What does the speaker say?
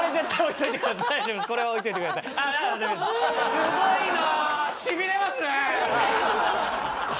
すごいな！